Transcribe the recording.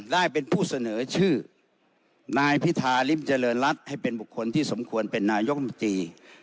ได้เป็นผู้เสนอชื่อนายพิธาริมเจริญรัฐให้เป็นบุคคลที่สมควรเป็นนายกรรมตรี